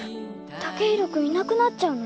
剛洋君いなくなっちゃうの？